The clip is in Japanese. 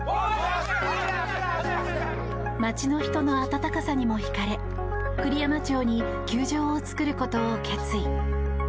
町の人の温かさにも引かれ栗山町に球場を作ることを決意。